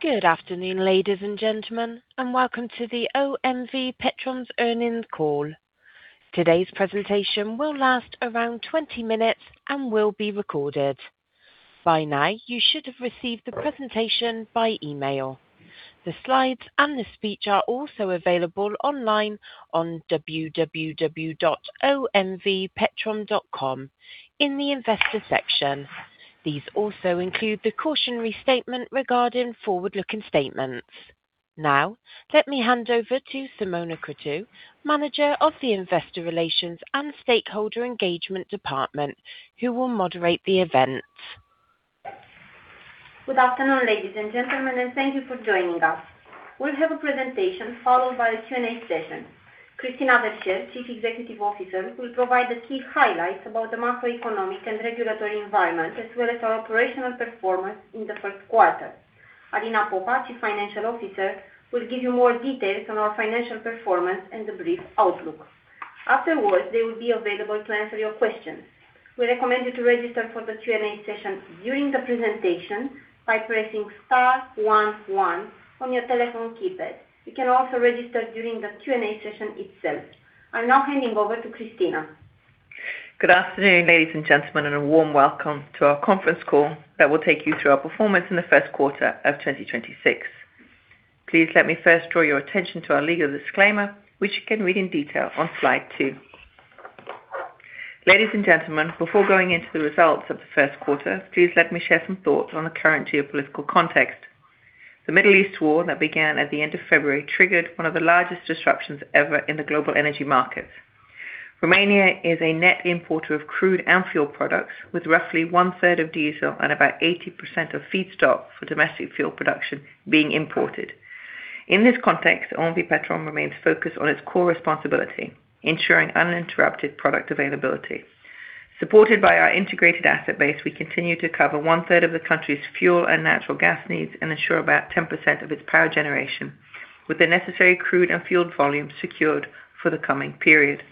Good afternoon, ladies and gentlemen, and welcome to the OMV Petrom's Earnings Call. Today's presentation will last around 20 minutes and will be recorded. By now, you should have received the presentation by email. The slides and the speech are also available online on www.omvpetrom.com in the Investor section. These also include the cautionary statement regarding forward-looking statements. Now, let me hand over to Simona Cruțu, Manager of the Investor Relations and Stakeholder Engagement department, who will moderate the event. Good afternoon, ladies and gentlemen, and thank you for joining us. We'll have a presentation followed by a Q&A session. Christina Verchere, Chief Executive Officer, will provide the key highlights about the macroeconomic and regulatory environment, as well as our operational performance in the first quarter. Alina Popa, Chief Financial Officer, will give you more details on our financial performance and the brief outlook. Afterwards, they will be available to answer your questions. We recommend you to register for the Q&A session during the presentation by pressing star one one on your telephone keypad. You can also register during the Q&A session itself. I'm now handing over to Christina. Good afternoon, ladies and gentlemen, and a warm welcome to our conference call that will take you through our performance in the first quarter of 2026. Please let me first draw your attention to our legal disclaimer, which you can read in detail on slide two. Ladies and gentlemen, before going into the results of the first quarter, please let me share some thoughts on the current geopolitical context. The Middle East war that began at the end of February triggered one of the largest disruptions ever in the global energy markets. Romania is a net importer of crude and fuel products, with roughly 1/3 of diesel and about 80% of feedstock for domestic fuel production being imported. In this context, OMV Petrom remains focused on its core responsibility, ensuring uninterrupted product availability. Supported by our integrated asset base, we continue to cover 1/3 of the country's fuel and natural gas needs and ensure about 10% of its power generation with the necessary crude and fueled volumes secured for the coming period.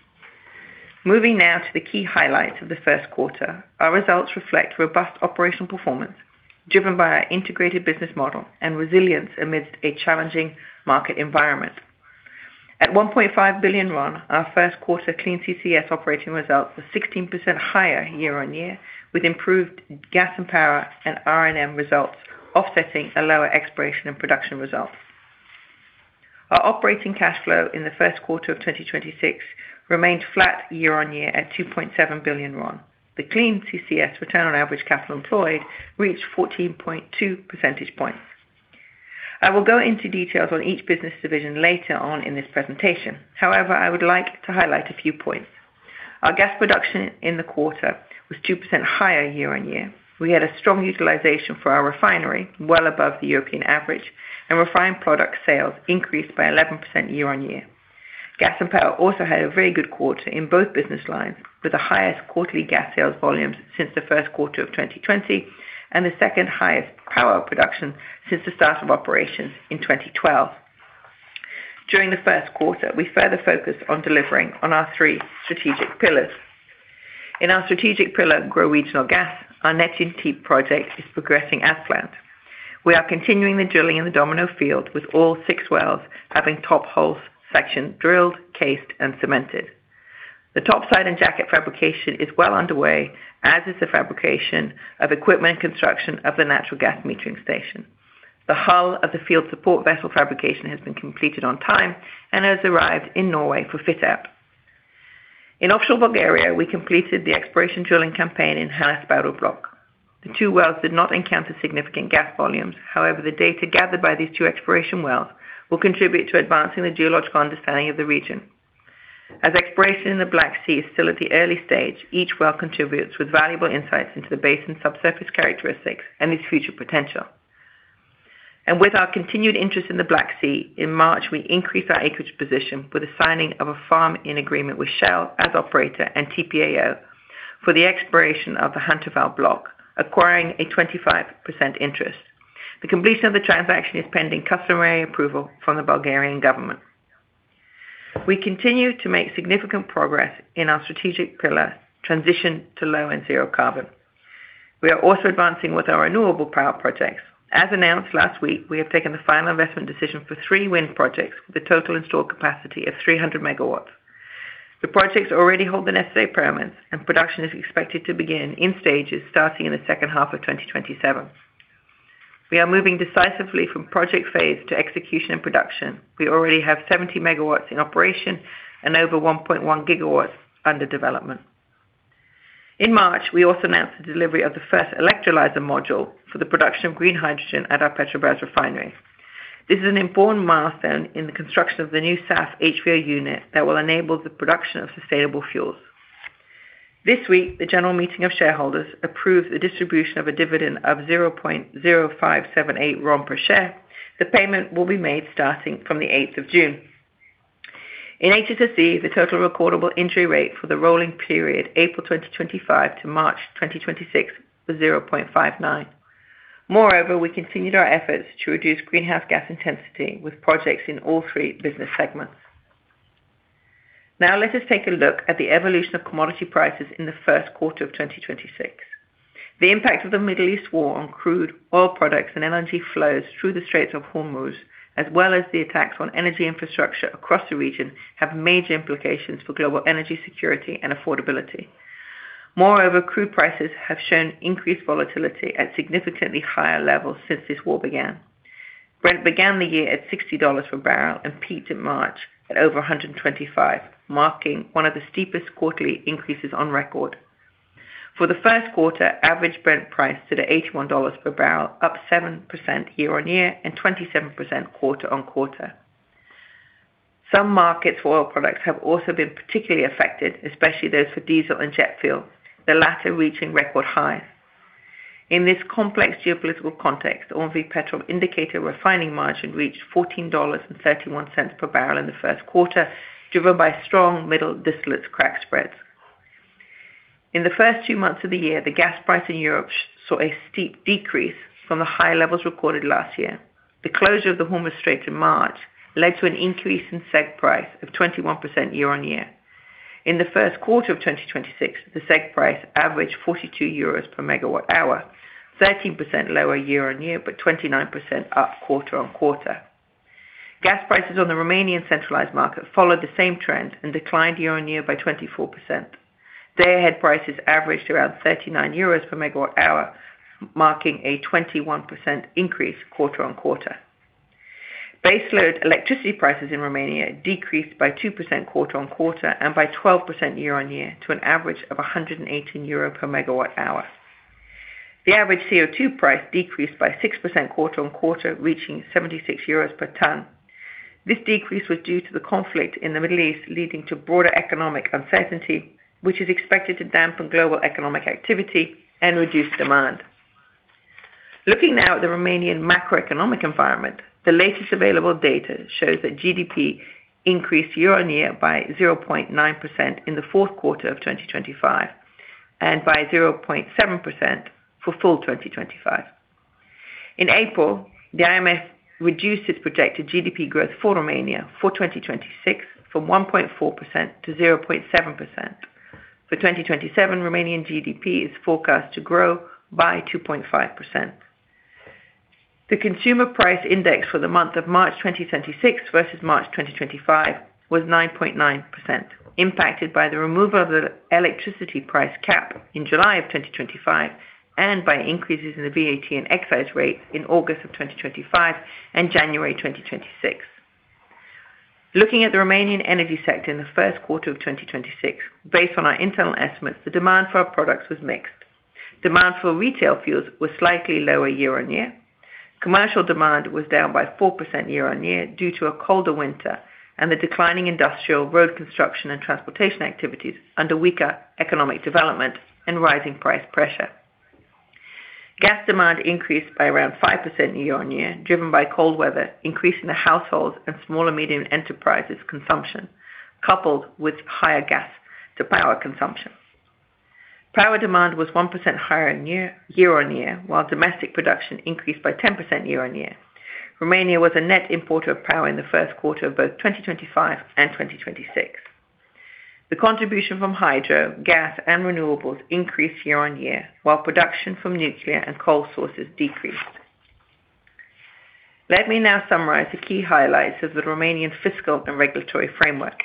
Moving now to the key highlights of the first quarter. Our results reflect robust operational performance driven by our integrated business model and resilience amidst a challenging market environment. At RON 1.5 billion, our first quarter Clean CCS Operating Results were 16% higher year-on-year, with improved Gas and Power and R&M results offsetting a lower Exploration and Production result. Our operating cash flow in the first quarter of 2026 remained flat year-on-year at RON 2.7 billion. The Clean CCS Return on Average Capital Employed reached 14.2 percentage points. I will go into details on each business division later on in this presentation. I would like to highlight a few points. Our gas production in the quarter was 2% higher year-on-year. We had a strong utilization for our refinery, well above the European average, and refined product sales increased by 11% year-on-year. Gas and Power also had a very good quarter in both business lines, with the highest quarterly gas sales volumes since the first quarter of 2020 and the second-highest power production since the start of operations in 2012. During the first quarter, we further focused on delivering on our three strategic pillars. In our strategic pillar, Grow Regional Gas, our Neptun Deep project is progressing as planned. We are continuing the drilling in the Domino field with all six wells having top hole section drilled, cased, and cemented. The topside and jacket fabrication is well underway, as is the fabrication of equipment construction of the natural gas metering station. The hull of the field support vessel fabrication has been completed on time and has arrived in Norway for fit out. In offshore Bulgaria, we completed the exploration drilling campaign in Han Asparuh block. The two wells did not encounter significant gas volumes. However, the data gathered by these two exploration wells will contribute to advancing the geological understanding of the region. As exploration in the Black Sea is still at the early stage, each well contributes with valuable insights into the basin subsurface characteristics and its future potential. With our continued interest in the Black Sea, in March, we increased our acreage position with the signing of a farm-in agreement with Shell as operator and TPAO for the exploration of the Han Asparuh block, acquiring a 25% interest. The completion of the transaction is pending customary approval from the Bulgarian government. We continue to make significant progress in our strategic pillar transition to low and zero carbon. We are also advancing with our renewable power projects. As announced last week, we have taken the final investment decision for three wind projects with a total installed capacity of 300 MW. The projects already hold the necessary permits, and production is expected to begin in stages starting in the second half of 2027. We are moving decisively from project phase to execution and production. We already have 70 MW in operation and over 1.1 GW under development. In March, we also announced the delivery of the first electrolyzer module for the production of green hydrogen at our Petrobrazi refinery. This is an important milestone in the construction of the new SAF/HVO unit that will enable the production of sustainable fuels. This week, the General Meeting of Shareholders approved the distribution of a dividend of RON 0.0578 per share. The payment will be made starting from the 8th of June. In HSSE, the total recordable injury rate for the rolling period April 2025 to March 2026 was 0.59. Moreover, we continued our efforts to reduce greenhouse gas intensity with projects in all three business segments. Let us take a look at the evolution of commodity prices in the first quarter of 2026. The impact of the Middle East war on crude oil products and energy flows through the Straits of Hormuz, as well as the attacks on energy infrastructure across the region, have major implications for global energy security and affordability. Crude prices have shown increased volatility at significantly higher levels since this war began. Brent began the year at $60 per bbl and peaked in March at over $125 per bbl, marking one of the steepest quarterly increases on record. For the first quarter, average Brent price stood at $81 per bbl, up 7% year-on-year and 27% quarter-on-quarter. Some markets for oil products have also been particularly affected, especially those for diesel and jet fuel, the latter reaching record highs. In this complex geopolitical context, OMV Petrom indicator refining margin reached $14.31 per bbl in the first quarter, driven by strong middle distillates crack spreads. In the first two months of the year, the gas price in Europe saw a steep decrease from the high levels recorded last year. The closure of the Hormuz Strait in March led to an increase in CEGH price of 21% year-on-year. In the first quarter of 2026, the CEGH price averaged 42 euros per MWh, 13% lower year-on-year, but 29% up quarter-on-quarter. Gas prices on the Romanian centralized market followed the same trend and declined year-on-year by 24%. Day-ahead prices averaged around 39 euros per MWh, marking a 21% increase quarter-on-quarter. Base load electricity prices in Romania decreased by 2% quarter-on-quarter and by 12% year-on-year to an average of 118 euro per MWh. The average CO2 price decreased by 6% quarter-on-quarter, reaching 76 euros per ton. This decrease was due to the conflict in the Middle East, leading to broader economic uncertainty, which is expected to dampen global economic activity and reduce demand. Looking now at the Romanian macroeconomic environment, the latest available data shows that GDP increased year-on-year by 0.9% in the fourth quarter of 2025, and by 0.7% for full 2025. In April, the IMF reduced its projected GDP growth for Romania for 2026 from 1.4% to 0.7%. For 2027, Romanian GDP is forecast to grow by 2.5%. The consumer price index for the month of March 2026 versus March 2025 was 9.9%, impacted by the removal of the electricity price cap in July 2025 and by increases in the VAT and excise rates in August 2025 and January 2026. Looking at the Romanian energy sector in the first quarter of 2026, based on our internal estimates, the demand for our products was mixed. Demand for retail fuels was slightly lower year-on-year. Commercial demand was down by 4% year-on-year due to a colder winter and the declining industrial road construction and transportation activities under weaker economic development and rising price pressure. Gas demand increased by around 5% year-on-year, driven by cold weather, increase in the households and small or medium enterprises consumption, coupled with higher gas to power consumption. Power demand was 1% higher in year-on-year, while domestic production increased by 10% year-on-year. Romania was a net importer of power in the first quarter of both 2025 and 2026. The contribution from hydro, gas, and renewables increased year-on-year, while production from nuclear and coal sources decreased. Let me now summarize the key highlights of the Romanian fiscal and regulatory framework.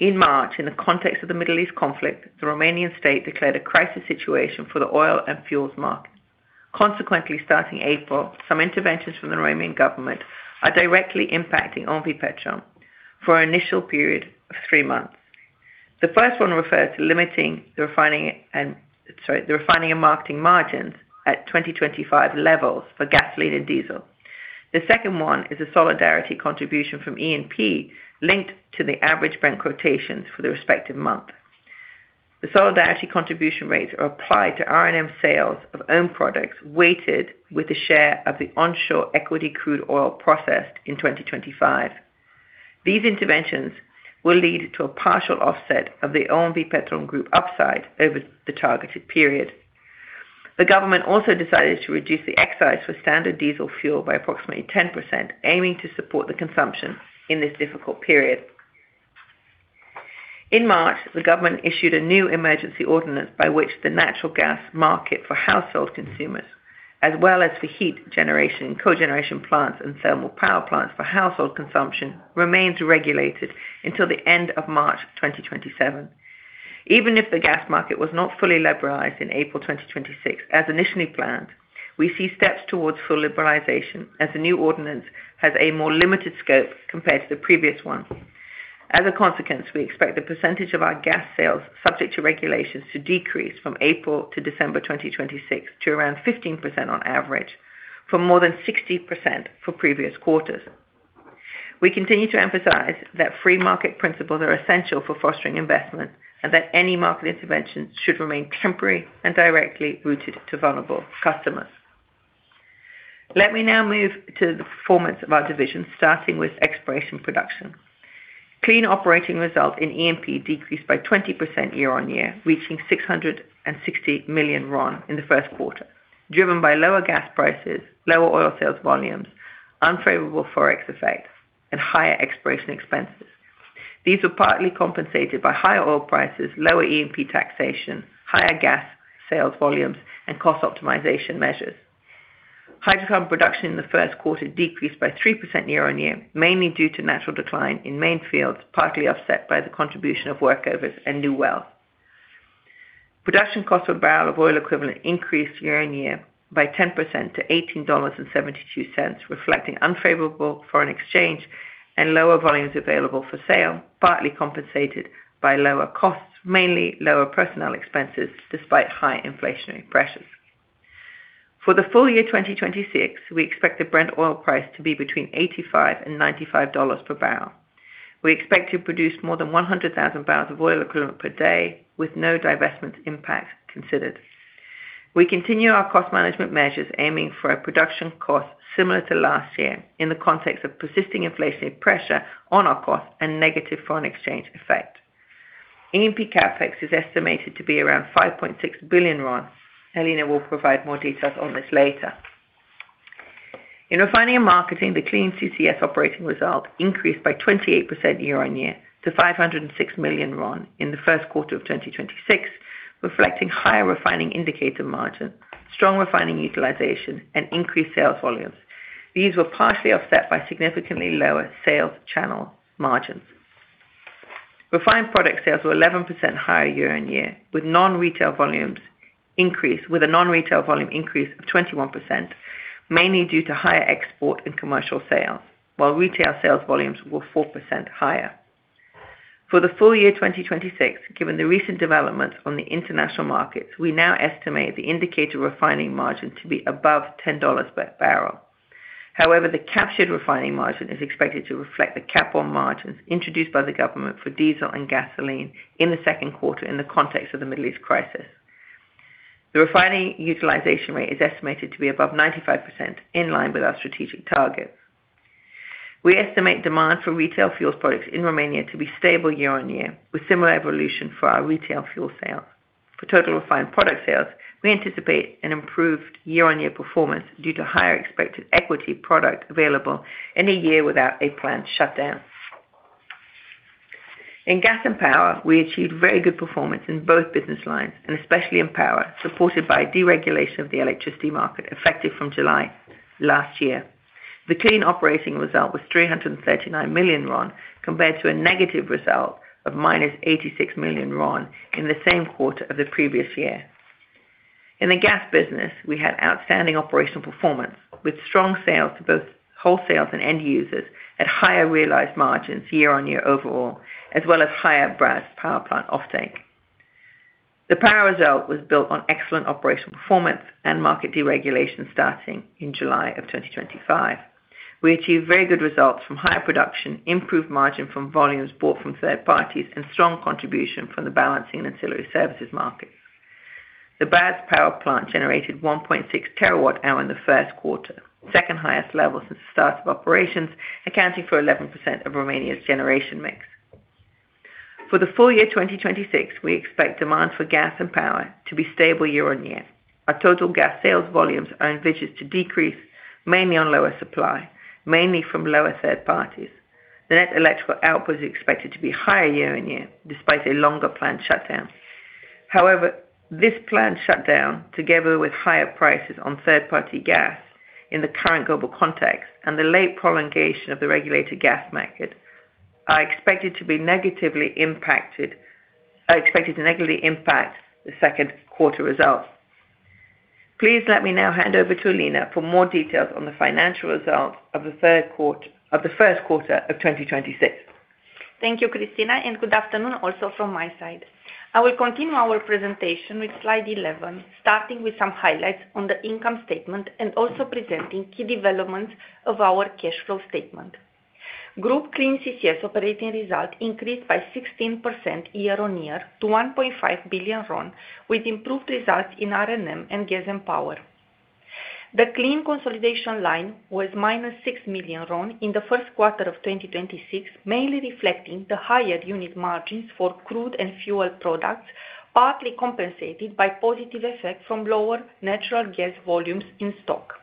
In March, in the context of the Middle East conflict, the Romanian state declared a crisis situation for the oil and fuels market. Consequently, starting April, some interventions from the Romanian government are directly impacting OMV Petrom for an initial period of three months. The first one refers to limiting the Refining and Marketing margins at 2025 levels for gasoline and diesel. The second one is a solidarity contribution from E&P linked to the average Brent quotations for the respective month. The solidarity contribution rates are applied to R&M sales of own products weighted with the share of the onshore equity crude oil processed in 2025. These interventions will lead to a partial offset of the OMV Petrom Group upside over the targeted period. The government also decided to reduce the excise for standard diesel fuel by approximately 10%, aiming to support the consumption in this difficult period. In March, the government issued a new emergency ordinance by which the natural gas market for household consumers, as well as for heat generation and cogeneration plants and thermal power plants for household consumption, remains regulated until the end of March 2027. Even if the gas market was not fully liberalized in April 2026, as initially planned, we see steps towards full liberalization as the new ordinance has a more limited scope compared to the previous one. As a consequence, we expect the percentage of our gas sales subject to regulations to decrease from April to December 2026 to around 15% on average from more than 60% for previous quarters. We continue to emphasize that free market principles are essential for fostering investment, and that any market intervention should remain temporary and directly rooted to vulnerable customers. Let me now move to the performance of our division, starting Exploration and Production. Clean Operating Result in E&P decreased by 20% year-on-year, reaching RON 660 million in the first quarter, driven by lower gas prices, lower oil sales volumes, unfavorable ForEx effect, and higher exploration expenses. These were partly compensated by higher oil prices, lower E&P taxation, higher gas sales volumes and cost optimization measures. Hydrocarbon production in the first quarter decreased by 3% year-on-year, mainly due to natural decline in main fields, partly offset by the contribution of workovers and new wells. Production cost of barrel of oil equivalent increased year-on-year by 10% to $18.72, reflecting unfavorable foreign exchange and lower volumes available for sale, partly compensated by lower costs, mainly lower personnel expenses, despite high inflationary pressures. For the full year 2026, we expect the Brent oil price to be between $85 per bbl and $95 per bbl. We expect to produce more than 100,000 BOE/d with no divestment impact considered. We continue our cost management measures aiming for a production cost similar to last year in the context of persisting inflationary pressure on our costs and negative foreign exchange effect. E&P CapEx is estimated to be around RON 5.6 billion. Alina will provide more details on this later. In Refining and Marketing, the Clean CCS Operating Result increased by 28% year-on-year to RON 506 million in the first quarter of 2026, reflecting higher indicator refining margin, strong refining utilization and increased sales volumes. These were partially offset by significantly lower sales channel margins. Refined product sales were 11% higher year-on-year, with a non-retail volume increase of 21%, mainly due to higher export and commercial sales, while retail sales volumes were 4% higher. For the full year 2026, given the recent developments on the international markets, we now estimate the indicator refining margin to be above $10 per bbl. The captured refining margin is expected to reflect the cap on margins introduced by the government for diesel and gasoline in the second quarter in the context of the Middle East crisis. The refining utilization rate is estimated to be above 95% in line with our strategic targets. We estimate demand for retail fuel products in Romania to be stable year-on-year, with similar evolution for our retail fuel sales. For total refined product sales, we anticipate an improved year-on-year performance due to higher expected equity product available in a year without a planned shutdown. In Gas and Power, we achieved very good performance in both business lines and especially in power, supported by deregulation of the electricity market effective from July last year. The Clean Operating Result was RON 339 million, compared to a negative result of RON -86 million in the same quarter of the previous year. In the gas business, we had outstanding operational performance with strong sales to both wholesales and end users at higher realized margins year-on-year overall, as well as higher Brazi power plant offtake. The power result was built on excellent operational performance and market deregulation starting in July of 2025. We achieved very good results from higher production, improved margin from volumes bought from third parties and strong contribution from the balancing and ancillary services markets. The Brazi power plant generated 1.6 TWh in the first quarter, second highest level since the start of operations, accounting for 11% of Romania's generation mix. For the full year 2026, we expect demand for gas and power to be stable year-on-year. Our total gas sales volumes are envisaged to decrease mainly on lower supply, mainly from lower third parties. The net electrical output is expected to be higher year-on-year despite a longer planned shutdown. This planned shutdown, together with higher prices on third-party gas in the current global context and the late prolongation of the regulated gas market, are expected to negatively impact the second quarter results. Please let me now hand over to Alina for more details on the financial results of the first quarter of 2026. Thank you, Christina, and good afternoon also from my side. I will continue our presentation with slide 11, starting with some highlights on the income statement and also presenting key developments of our cash flow statement. Group Clean CCS Operating Result increased by 16% year-on-year to RON 1.5 billion, with improved results in R&M and Gas and Power. The clean consolidation line was RON -6 million in the first quarter of 2026, mainly reflecting the higher unit margins for crude and fuel products, partly compensated by positive effect from lower natural gas volumes in stock.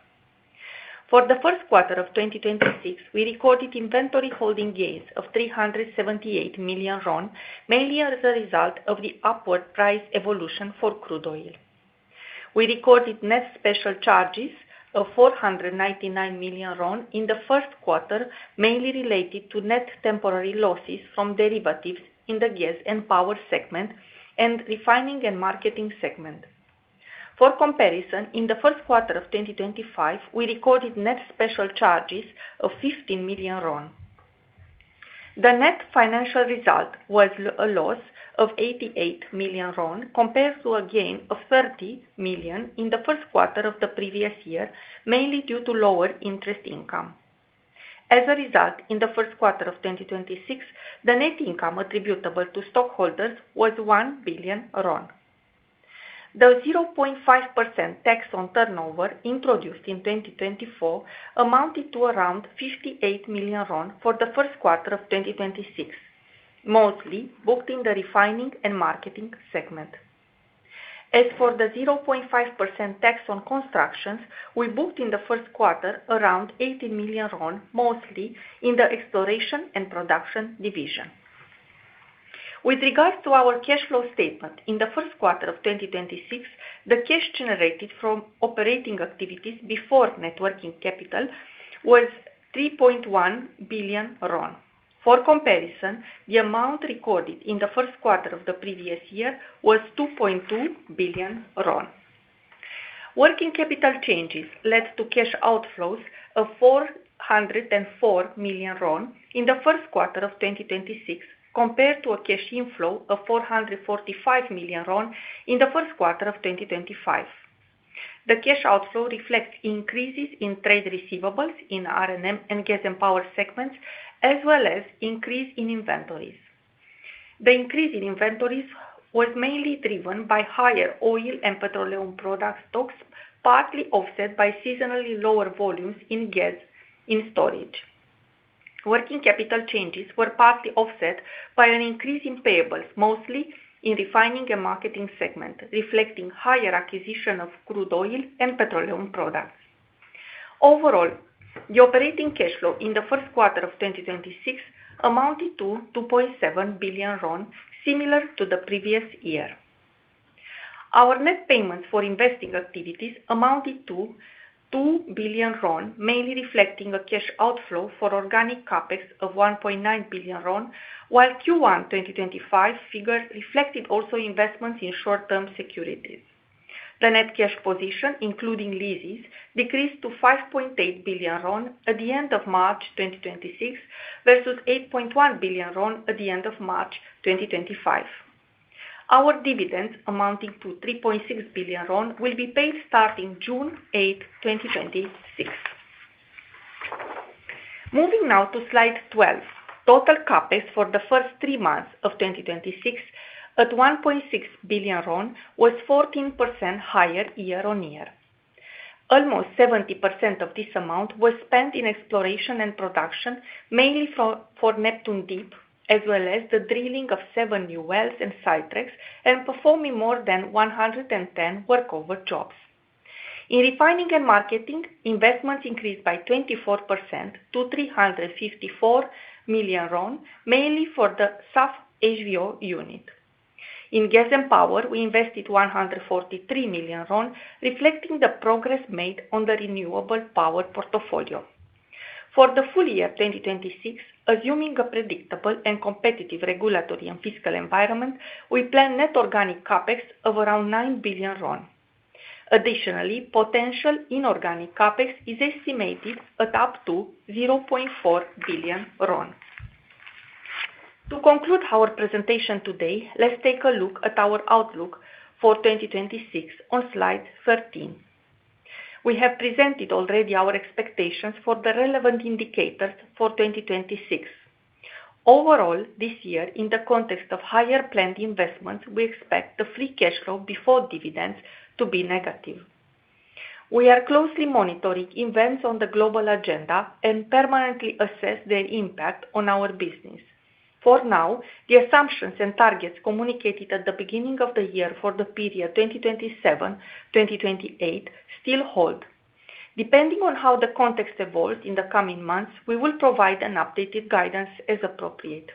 For the first quarter of 2026, we recorded inventory holding gains of RON 378 million, mainly as a result of the upward price evolution for crude oil. We recorded net special charges of RON 499 million in the first quarter, mainly related to net temporary losses from derivatives in the Gas and Power segment and Refining and Marketing segment. For comparison, in the first quarter of 2025, we recorded net special charges of RON 15 million. The net financial result was a loss of RON 88 million compared to a gain of RON 30 million in the first quarter of the previous year, mainly due to lower interest income. As a result, in the first quarter of 2026, the net income attributable to stockholders was RON 1 billion. The 0.5% tax on turnover introduced in 2024 amounted to around RON 58 million for the first quarter of 2026, mostly booked in the Refining and Marketing segment. For the 0.5% tax on constructions, we booked in the first quarter around RON 80 million, mostly in the Exploration and Production division. With regards to our cash flow statement, in the first quarter of 2026, the cash generated from operating activities before net working capital was RON 3.1 billion. For comparison, the amount recorded in the first quarter of the previous year was RON 2.2 billion. Working capital changes led to cash outflows of RON 404 million in the first quarter of 2026 compared to a cash inflow of RON 445 million in the first quarter of 2025. The cash outflow reflects increases in trade receivables in R&M and Gas and Power segments as well as increase in inventories. The increase in inventories was mainly driven by higher oil and petroleum product stocks, partly offset by seasonally lower volumes in gas in storage. Working capital changes were partly offset by an increase in payables, mostly in Refining and Marketing segment, reflecting higher acquisition of crude oil and petroleum products. Overall, the operating cash flow in the first quarter of 2026 amounted to RON 2.7 billion, similar to the previous year. Our net payments for investing activities amounted to RON 2 billion, mainly reflecting a cash outflow for organic CapEx of RON 1.9 billion, while Q1 2025 figures reflected also investments in short-term securities. The net cash position, including leases, decreased to RON 5.8 billion at the end of March 2026 versus RON 8.1 billion at the end of March 2025. Our dividends amounting to RON 3.6 billion will be paid starting June 8, 2026. Moving now to slide 12. Total CapEx for the first three months of 2026 at RON 1.6 billion was 14% higher year-on-year. Almost 70% of this amount was spent in Exploration and Production, mainly for Neptun Deep, as well as the drilling of seven new wells and sidetracks and performing more than 110 workover jobs. In Refining and Marketing, investments increased by 24% to RON 354 million, mainly for the SAF/HVO unit. In Gas and Power, we invested RON 143 million, reflecting the progress made on the renewable power portfolio. For the full year 2026, assuming a predictable and competitive regulatory and fiscal environment, we plan net organic CapEx of around RON 9 billion. Additionally, potential inorganic CapEx is estimated at up to RON 0.4 billion. To conclude our presentation today, let's take a look at our outlook for 2026 on slide 13. We have presented already our expectations for the relevant indicators for 2026. Overall, this year, in the context of higher planned investments, we expect the free cash flow before dividends to be negative. We are closely monitoring events on the global agenda and permanently assess their impact on our business. For now, the assumptions and targets communicated at the beginning of the year for the period 2027-2028 still hold. Depending on how the context evolves in the coming months, we will provide an updated guidance as appropriate.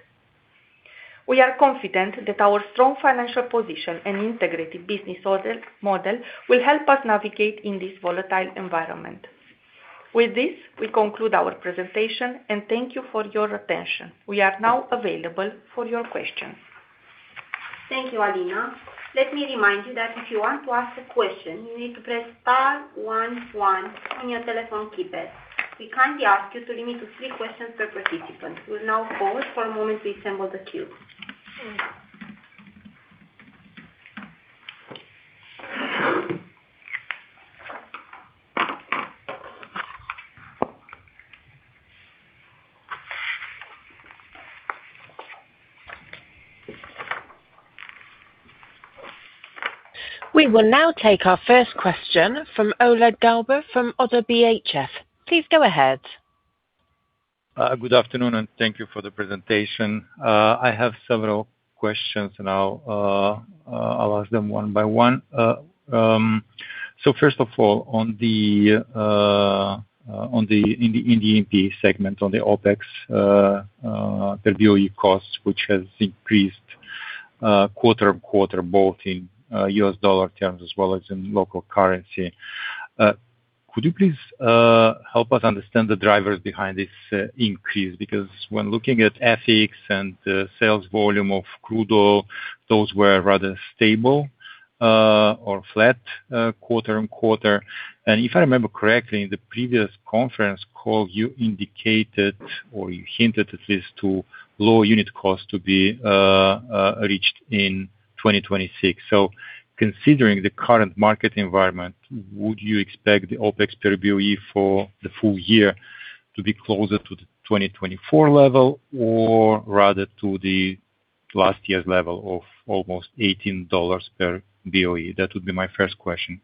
We are confident that our strong financial position and integrated business model will help us navigate in this volatile environment. With this, we conclude our presentation. Thank you for your attention. We are now available for your questions. Thank you, Alina. Let me remind you that if you want to ask a question, you need to press star one one on your telephone keypad. We kindly ask you to limit to three questions per participant. We'll now pause for a moment to assemble the queue. We will now take our first question from Oleg Galbur from ODDO BHF. Please go ahead. Good afternoon, thank you for the presentation. I have several questions, I'll ask them one by one. First of all, on the in the E&P segment on the OpEx per BOE costs, which has increased quarter-on-quarter, both in U.S. dollar terms as well as in local currency. Could you please help us understand the drivers behind this increase? When looking at FX and the sales volume of crude oil, those were rather stable or flat quarter-on-quarter. If I remember correctly, in the previous conference call, you indicated, or you hinted at least to lower unit cost to be reached in 2026. Considering the current market environment, would you expect the OpEx per BOE for the full year to be closer to the 2024 level or rather to the last year's level of almost $18 per BOE? That would be my first question.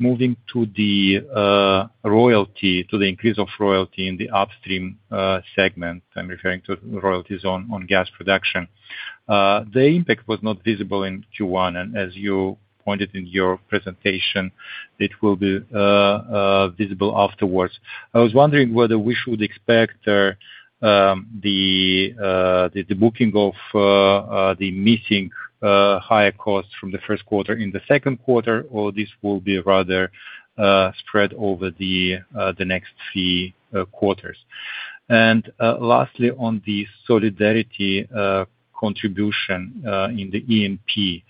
Moving to the royalty, to the increase of royalty in the upstream segment, I'm referring to royalties on gas production. The impact was not visible in Q1, and as you pointed in your presentation, it will be visible afterwards. I was wondering whether we should expect the booking of the missing higher costs from the first quarter in the second quarter, or this will be rather spread over the next three quarters? Lastly, on the solidarity contribution in the E&P,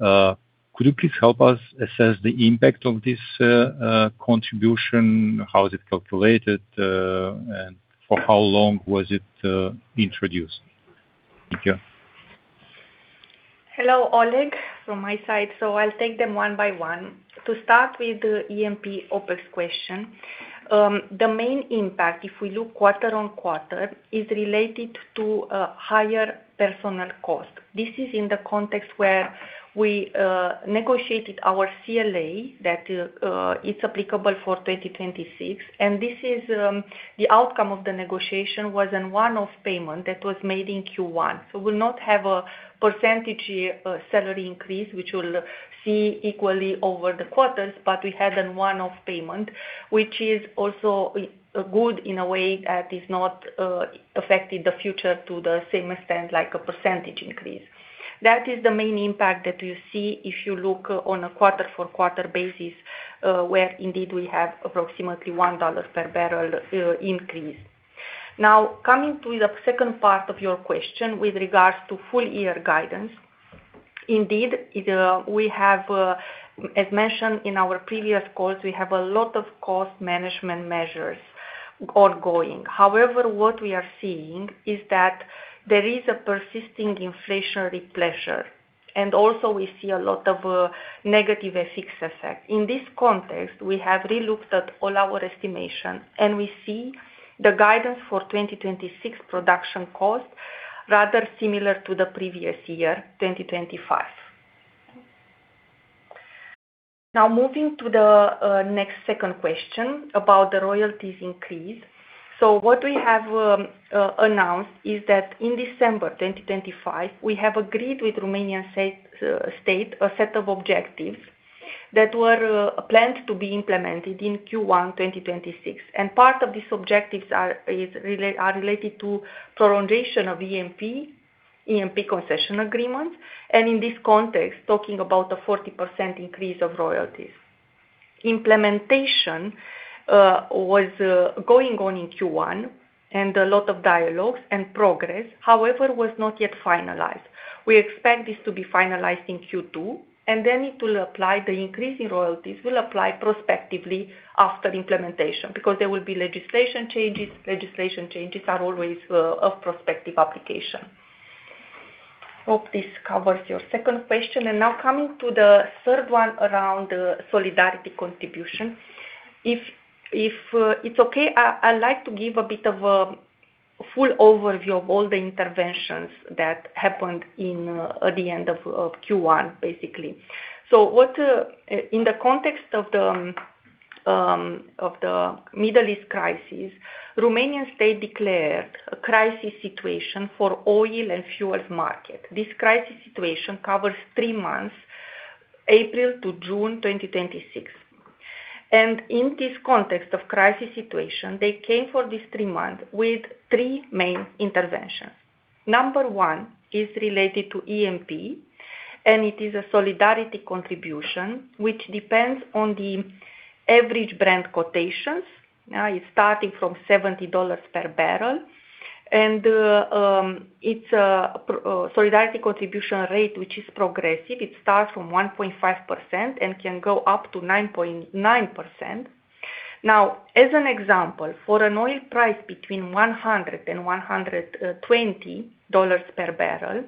could you please help us assess the impact of this contribution? How is it calculated and for how long was it introduced? Thank you. Hello, Oleg, from my side. I'll take them one by one. To start with the E&P OpEx question. The main impact, if we look quarter-on-quarter, is related to a higher personal cost. This is in the context where we negotiated our CLA, that is applicable for 2026. This is the outcome of the negotiation was in one-off payment that was made in Q1. We'll not have a percentage salary increase, which we'll see equally over the quarters. We had in one-off payment, which is also good in a way that is not affected the future to the same extent, like a percentage increase. That is the main impact that you see if you look on a quarter-on-quarter basis, where indeed we have approximately $1 per bbl fuel increase. Coming to the second part of your question with regards to full year guidance. Indeed, we have, as mentioned in our previous calls, a lot of cost management measures ongoing. What we are seeing is that there is a persisting inflationary pressure, and also we see a lot of negative FX effect. In this context, we have relooked at all our estimation, and we see the guidance for 2026 production cost rather similar to the previous year, 2025. Moving to the next second question about the royalties increase. What we have announced is that in December 2025, we have agreed with Romanian state a set of objectives that were planned to be implemented in Q1 2026. Part of these objectives are related to prolongation of E&P concession agreements. In this context, talking about the 40% increase of royalties. Implementation was going on in Q1, and a lot of dialogues and progress, however, was not yet finalized. We expect this to be finalized in Q2. Then, it will apply, the increase in royalties will apply prospectively after implementation. There will be legislation changes. Legislation changes are always of prospective application. Hope this covers your second question. Now coming to the third one around the solidarity contribution. If it's okay, I like to give a bit of a full overview of all the interventions that happened at the end of Q1, basically. In the context of the Middle East crisis, Romanian state declared a crisis situation for oil and fuels market. This crisis situation covers three months, April to June 2026. In this context of crisis situation, they came for this three month with three main interventions. Number one is related to E&P. It is a solidarity contribution, which depends on the average Brent quotations. Now, it's starting from $70 per bbl. It's a solidarity contribution rate, which is progressive. It starts from 1.5% and can go up to 9.9%. Now, as an example, for an oil price between $100 per bbl-$120 per bbl,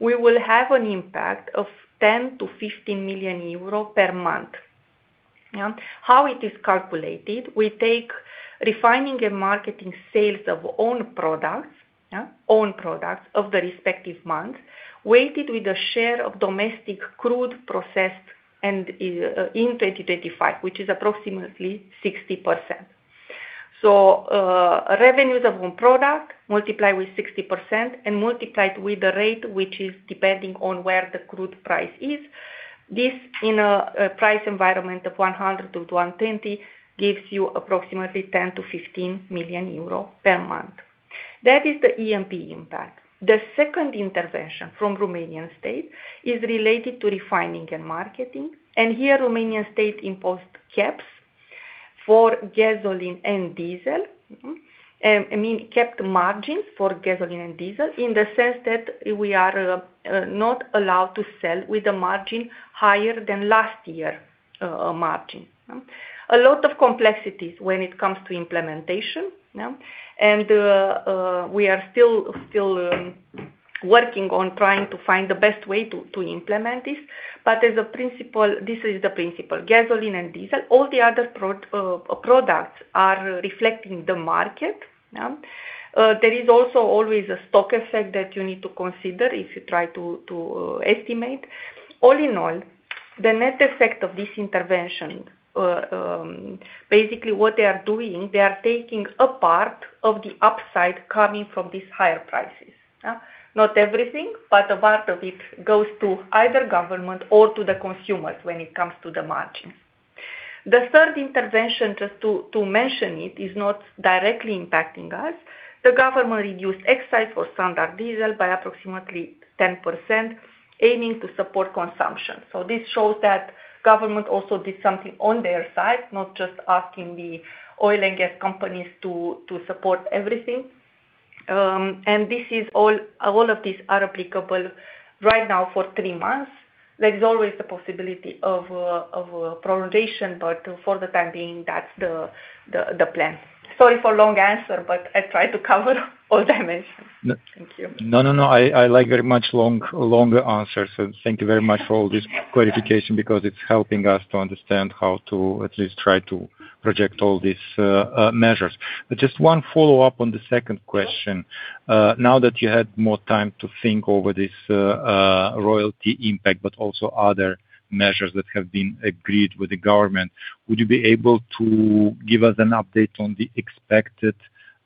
we will have an impact of 10 million-15 million euro per month. How it is calculated, we take Refining and Marketing sales of own products. Own products of the respective month weighted with a share of domestic crude processed in 2025, which is approximately 60%. Revenues of own product multiply with 60% and multiplied with the rate, which is depending on where the crude price is. This in a price environment of $100 per bbl-$120 per bbl gives you approximately 10 million-15 million euro per month. That is the E&P impact. The second intervention from Romanian state is related to Refining and Marketing. Here, Romanian state imposed caps for gasoline and diesel. I mean, capped margins for gasoline and diesel in the sense that we are not allowed to sell with a margin higher than last year margin. A lot of complexities when it comes to implementation. Yeah. We are still working on trying to find the best way to implement this. As a principle, this is the principle. Gasoline and diesel, all the other products are reflecting the market. Yeah. There is also always a stock effect that you need to consider if you try to estimate. All in all, the net effect of this intervention, basically what they are doing, they are taking apart of the upside coming from these higher prices. Not everything, but a part of it goes to either government or to the consumers when it comes to the margins. The third intervention, just to mention it, is not directly impacting us. The government reduced excise for standard diesel by approximately 10%, aiming to support consumption. This shows that government also did something on their side, not just asking the oil and gas companies to support everything. All of these are applicable right now for three months. There is always the possibility of prolongation, but for the time being, that's the plan. Sorry for long answer, but I tried to cover all dimensions. No. Thank you. No, no. I like very much long, longer answers. Thank you very much for all this clarification because it's helping us to understand how to at least try to project all these measures. Just one follow-up on the second question. Now that you had more time to think over this royalty impact, but also other measures that have been agreed with the government, would you be able to give us an update on the expected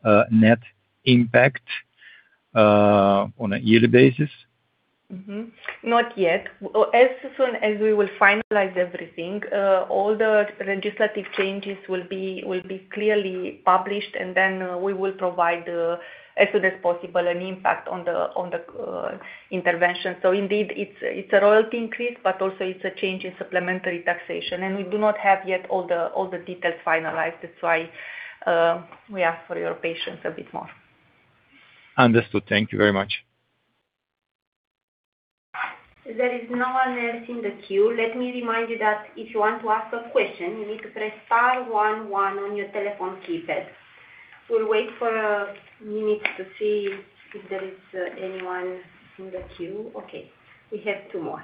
net impact on a yearly basis? Not yet. As soon as we will finalize everything, all the legislative changes will be clearly published, then we will provide as soon as possible an impact on the intervention. Indeed, it's a royalty increase, but also it's a change in supplementary taxation. We do not have yet all the details finalized. That's why we ask for your patience a bit more. Understood. Thank you very much. There is no one else in the queue. Let me remind you that if you want to ask a question, you need to press star one one on your telephone keypad. We'll wait for a minute to see if there is anyone in the queue. Okay, we have two more.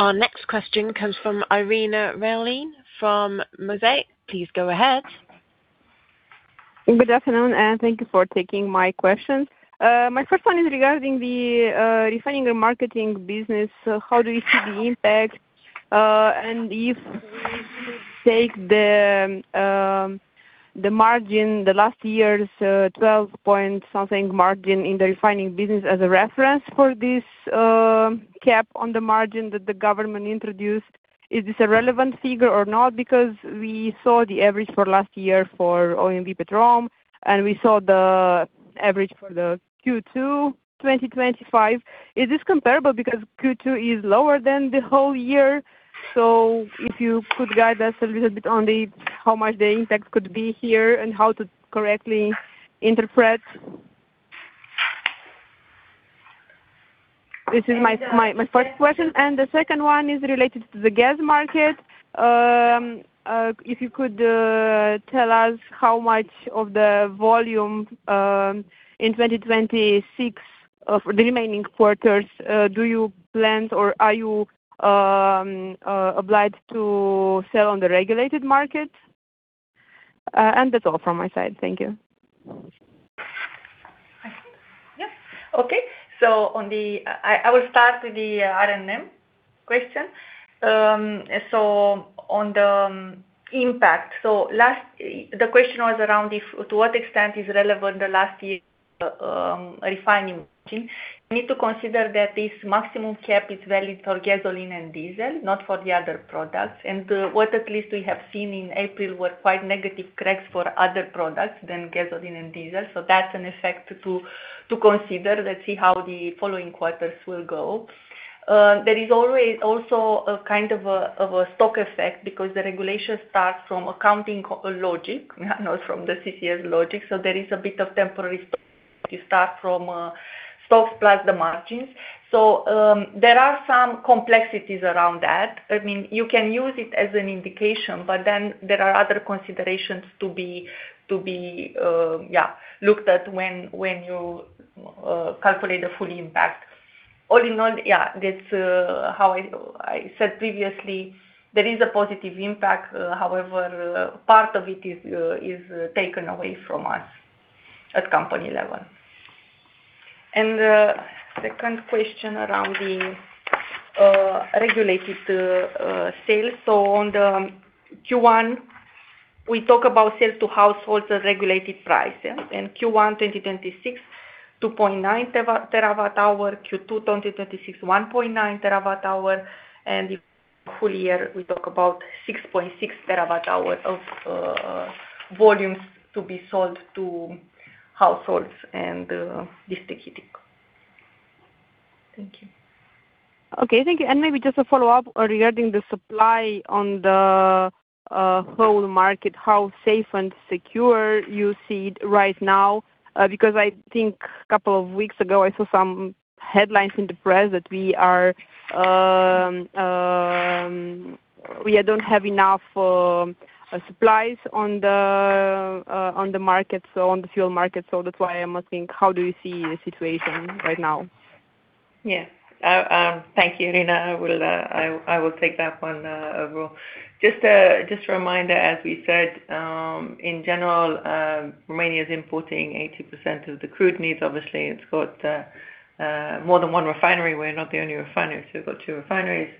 Our next question comes from Irina Răilean from Mosaiq. Please go ahead. Good afternoon, thank you for taking my questions. My first one is regarding the Refining and Marketing business. How do you see the impact? If we take the margin, the last year's 12 point something margin in the Refining business as a reference for this cap on the margin that the government introduced, is this a relevant figure or not? We saw the average for last year for OMV Petrom, and we saw the average for the Q2 2025. Is this comparable? Q2 is lower than the whole year. If you could guide us a little bit on the how much the impact could be here and how to correctly interpret. This is my first question. The second one is related to the gas market. If you could tell us how much of the volume in 2026 for the remaining quarters do you plan or are you obliged to sell on the regulated market? That's all from my side. Thank you. Yes. Okay. On the... I will start with the R&M question. On the impact. Last year, the question was around if to what extent is relevant the last year refining margin. We need to consider that this maximum cap is valid for gasoline and diesel, not for the other products. What at least we have seen in April were quite negative cracks for other products than gasoline and diesel. That's an effect to consider. Let's see how the following quarters will go. There is always also a kind of a stock effect because the regulation starts from accounting logic, not from the CCS logic. There is a bit of temporary stock. You start from stocks plus the margins. There are some complexities around that. I mean, you can use it as an indication, but then there are other considerations to be looked at when you calculate the full impact. All in all, that's how I said previously. There is a positive impact. However, part of it is taken away from us at company level. Second question around the regulated sales. On the Q1, we talk about sales to households at regulated price. In Q1 2026, 2.9 TWh. Q2 2026, 1.9 TWh. The full year, we talk about 6.6 TWh of volumes to be sold to households and district heating. Thank you. Okay. Thank you. Maybe just a follow-up regarding the supply on the whole market, how safe and secure you see it right now? Because I think a couple of weeks ago, I saw some headlines in the press that we don't have enough supplies on the market, so on the fuel market. That's why I'm asking how do you see the situation right now? Thank you, Irina. I will take that one overall. Just a reminder, as we said in general, Romania is importing 80% of the crude needs. Obviously, it's got more than one refinery. We're not the only refinery. We've got two refineries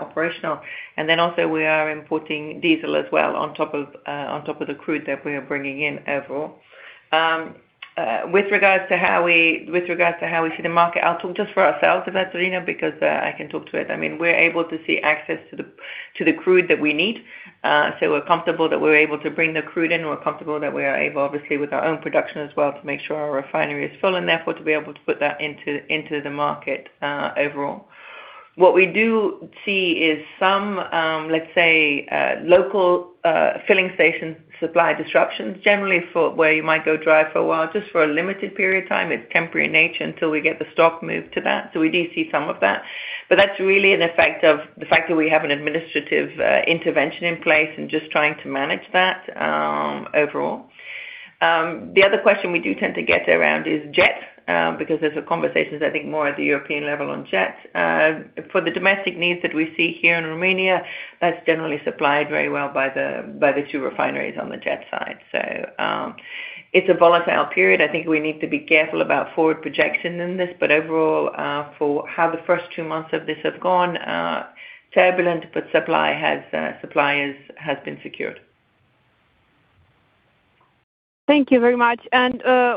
operational. Also, we are importing diesel as well on top of, on top of the crude that we are bringing in overall. With regards to how we see the market, I'll talk just for ourselves about Irina because I can talk to it. I mean, we're able to see access to the crude that we need. We're comfortable that we're able to bring the crude in. We're comfortable that we are able, obviously, with our own production as well to make sure our refinery is full and therefore to be able to put that into the market overall. What we do see is some, let's say, local filling station supply disruptions. Generally for where you might go dry for a while, just for a limited period of time. It's temporary in nature until we get the stock moved to that. We do see some of that. That's really an effect of the fact that we have an administrative intervention in place and just trying to manage that overall. The other question we do tend to get around is jet, because there's conversations, I think, more at the European level on jets. For the domestic needs that we see here in Romania, that is generally supplied very well by the two refineries on the jet side. It is a volatile period. I think we need to be careful about forward projection in this. Overall, for how the first two months of this have gone, turbulent, but supply has been secured. Thank you very much.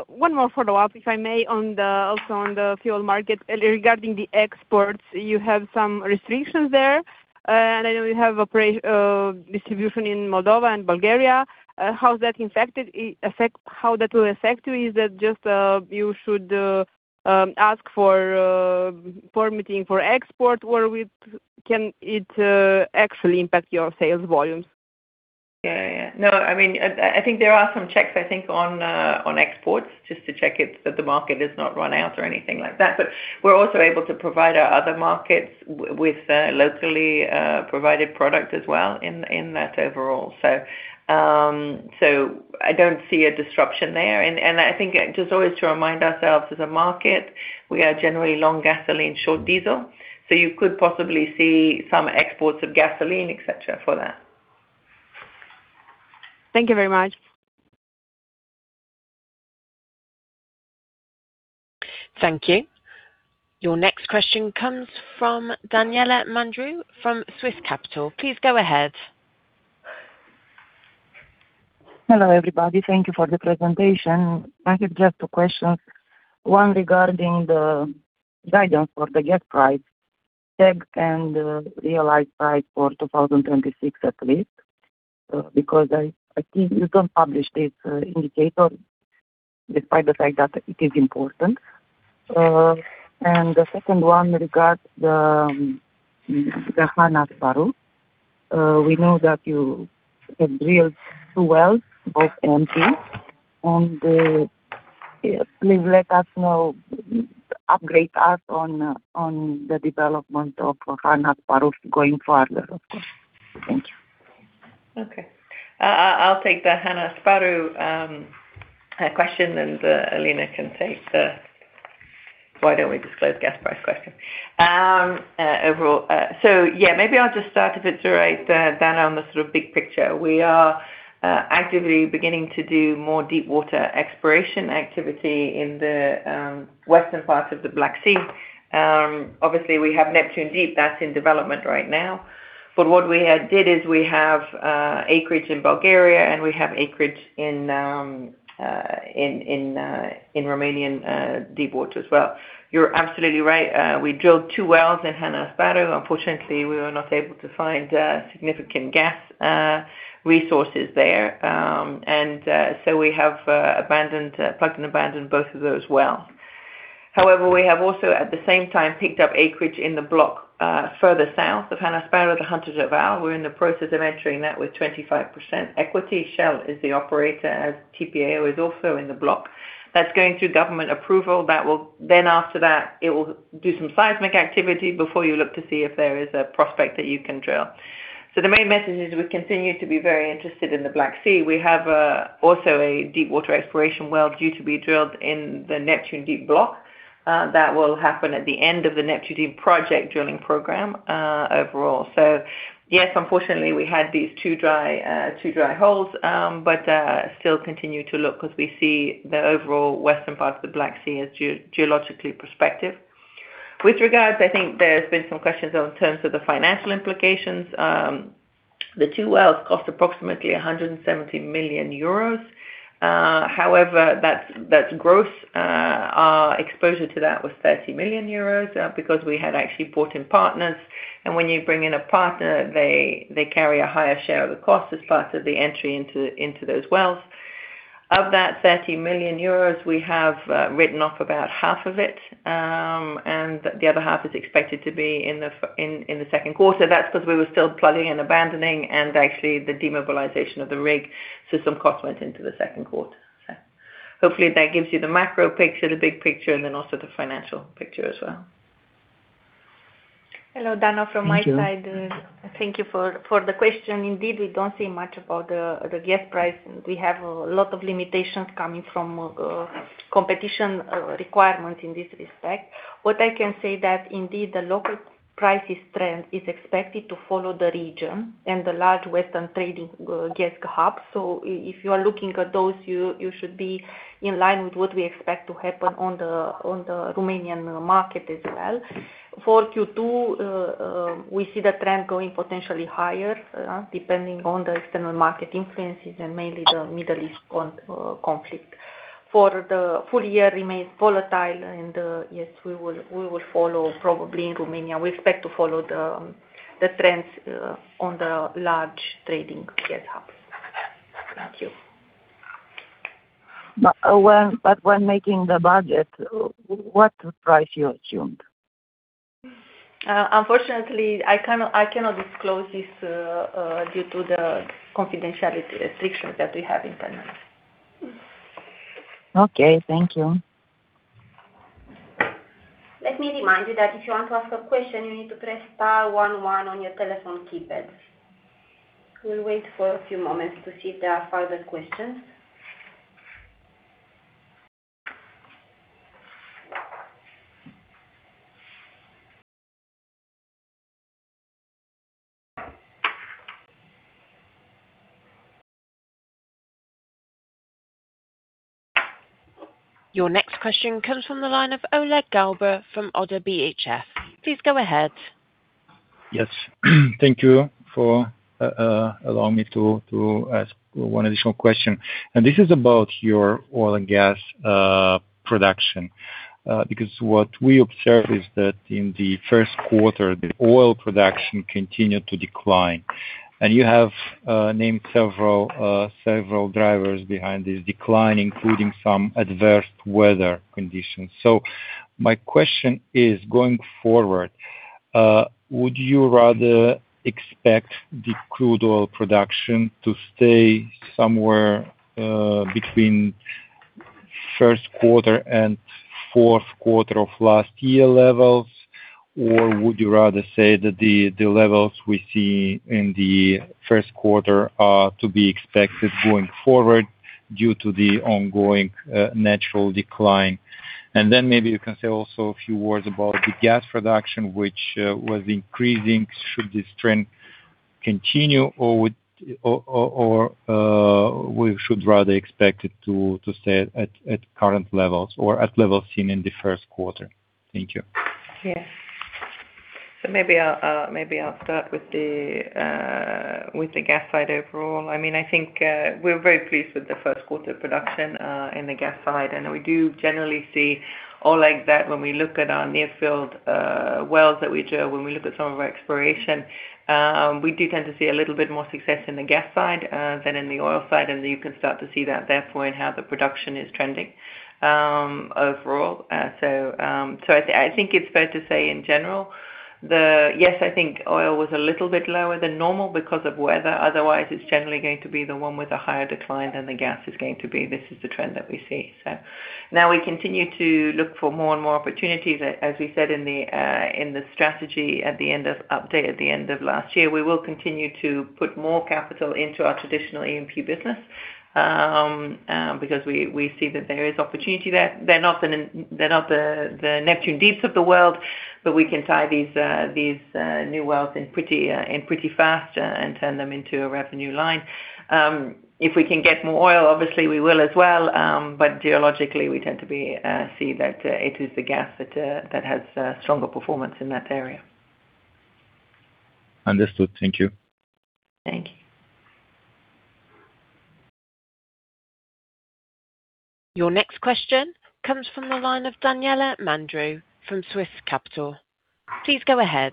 One more follow-up, if I may on the fuel market. Regarding the exports, you have some restrictions there. I know you have a distribution in Moldova and Bulgaria. How will that affect you? Is that just you should ask for permitting for export, or can it actually impact your sales volumes? Yeah. Yeah. No, I mean, I think there are some checks, I think on exports. Just to check it that the market does not run out or anything like that. We're also able to provide our other markets with locally provided product as well in that overall. I don't see a disruption there. I think just always to remind ourselves as a market, we are generally long gasoline, short diesel. You could possibly see some exports of gasoline, et cetera, for that. Thank you very much. Thank you. Your next question comes from Daniela Mandru from Swiss Capital. Please go ahead. Hello, everybody. Thank you for the presentation. I have just two questions. One regarding the guidance for the gas price, tags and realized price for 2026 at least. Because I think you don't publish this indicator despite the fact that it is important. The second one regards the Han Asparuh. We know that you have drilled two wells, both empty. Please let us know, upgrade us on the development of Han Asparuh going further. Thank you. Okay. I'll take the Han Asparuh question and Alina can take the, why don't we disclose gas price question. Overall. Yeah, maybe I'll just start a bit to write down on the sort of big picture. We are actively beginning to do more deep water exploration activity in the western part of the Black Sea. Obviously we have Neptun Deep, that's in development right now. What we had did is we have acreage in Bulgaria, and we have acreage in Romanian deep water as well. You're absolutely right. We drilled two wells in Han Asparuh. Unfortunately, we were not able to find significant gas resources there. We have abandoned, plugged and abandoned both of those wells. However, we have also at the same time picked up acreage in the block further south of Han Asparuh, the Han Tervel. We're in the process of entering that with 25% equity. Shell is the operator as TPAO is also in the block. That's going through government approval. That will then after that, it will do some seismic activity before you look to see if there is a prospect that you can drill. The main message is we continue to be very interested in the Black Sea. We have also a deep water exploration well due to be drilled in the Neptun Deep block. That will happen at the end of the Neptun Deep project drilling program overall. Yes, unfortunately, we had these two dry, two dry holes, but still continue to look because we see the overall western part of the Black Sea as geologically prospective. With regards, I think there's been some questions in terms of the financial implications. The two wells cost approximately 170 million euros. However, that's gross. Our exposure to that was 30 million euros because we had actually brought in partners. When you bring in a partner, they carry a higher share of the cost as part of the entry into those wells. Of that 30 million euros, we have written off about half of it. The other half is expected to be in the second quarter. That's 'cause we were still plugging and abandoning and actually the demobilization of the rig. Some cost went into the second quarter. Hopefully that gives you the macro picture, the big picture, and then also the financial picture as well. Hello, Dana, from my side. Thank you. Thank you for the question. Indeed, we don't say much about the gas price. We have a lot of limitations coming from competition requirements in this respect. What I can say that indeed the local prices trend is expected to follow the region and the large Western trading gas hub. If you are looking at those, you should be in line with what we expect to happen on the Romanian market as well. For Q2, we see the trend going potentially higher depending on the external marketing trends and mainly the Middle East conflict. For the full year remains volatile and yes, we will follow probably in Romania. We expect to follow the trends on the large trading gas hub. Thank you. When making the budget, what price you assumed? Unfortunately, I cannot disclose this, due to the confidentiality restrictions that we have in place. Okay. Thank you. Let me remind you that if you want to ask a question, you need to press star one one on your telephone keypads. We will wait for a few moments to see if there are further questions. Your next question comes from the line of Oleg Galbur from ODDO BHF. Please go ahead. Yes. Thank you for allowing me to ask one additional question. This is about your oil and gas production. Because what we observe is that in the first quarter, the oil production continued to decline. You have named several drivers behind this decline, including some adverse weather conditions. My question is, going forward, would you rather expect the crude oil production to stay somewhere between first quarter and fourth quarter of last year levels? Would you rather say that the levels we see in the first quarter are to be expected going forward due to the ongoing natural decline? Maybe you can say also a few words about the gas production, which was increasing. Should this trend continue or would? Or, we should rather expect it to stay at current levels or at levels seen in the first quarter? Thank you. Yes. Maybe I'll start with the gas side overall. I mean, I think we're very pleased with the first quarter production in the gas side. We do generally see, Oleg, that when we look at our near field wells that we drill, when we look at some of our exploration, we do tend to see a little bit more success in the gas side than in the oil side. You can start to see that therefore in how the production is trending overall. I think it's fair to say in general, yes, I think oil was a little bit lower than normal because of weather. Otherwise, it's generally going to be the one with a higher decline than the gas is going to be. This is the trend that we see. Now we continue to look for more and more opportunities. As we said in the strategy at the end of update at the end of last year, we will continue to put more capital into our traditional E&P business because we see that there is opportunity there. They're not the Neptun Deep of the world, but we can tie these new wells in pretty fast and turn them into a revenue line. If we can get more oil, obviously we will as well. Geologically, we tend to see that it is the gas that has a stronger performance in that area. Understood. Thank you. Thank you. Your next question comes from the line of Daniela Mandru from Swiss Capital. Please go ahead.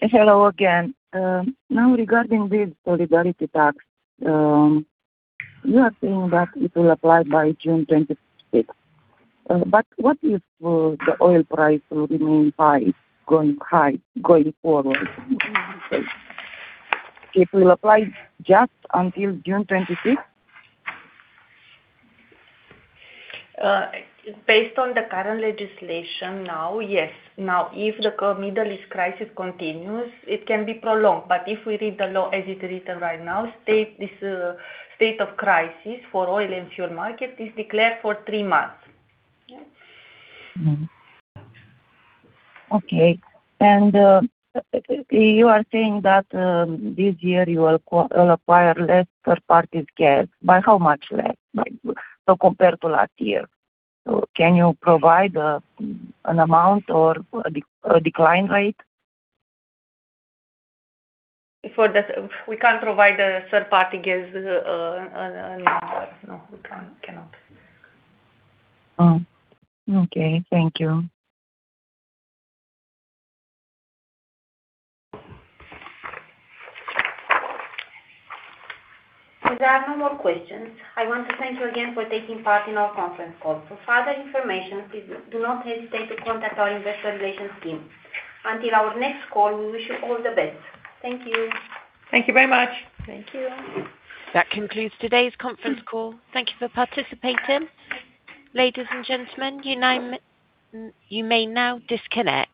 Hello again. Now regarding this solidarity contribution, you are saying that it will apply by June 26th. What if the oil price will remain high, going high, going forward? It will apply just until June 26th? Based on the current legislation now, yes. If the Middle East crisis continues, it can be prolonged. If we read the law as it's written right now, this state of crisis for oil and fuel market is declared for three months. Okay. You are saying that this year you will acquire less third parties gas. By how much less compared to last year? Can you provide an amount or a decline rate? We cannot provide a third party gas, a number. No, we cannot. Oh, okay. Thank you. If there are no more questions, I want to thank you again for taking part in our conference call. For further information, please do not hesitate to contact our Investor Relations team. Until our next call, we wish you all the best. Thank you. Thank you very much. Thank you. That concludes today's conference call. Thank you for participating. Ladies and gentlemen, you may now disconnect.